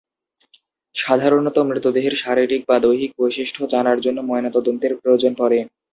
সাধারণতঃ মৃতদেহের শারীরিক বা দৈহিক বৈশিষ্ট্য জানার জন্য ময়না তদন্তের প্রয়োজন পড়ে।